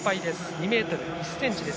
２ｍ１ｃｍです。